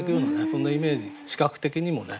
そんなイメージ視覚的にもね